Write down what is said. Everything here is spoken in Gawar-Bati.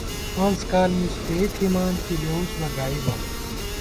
پنڅ کال مِز پېئی تھِمان ، کی لېوُس بہ گائیبہ